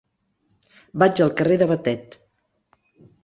Vaig al carrer de Batet.